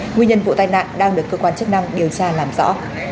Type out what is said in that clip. nguyên nhân vụ tai nạn đang được cơ quan chức năng điều tra làm rõ